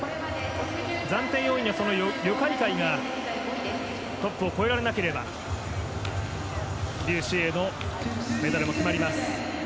暫定４位にはリョ・カイカイがトップを超えられなければリュウ・シエイのメダルも決まります。